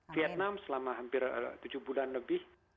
vietnam selama hampir tujuh bulan lebih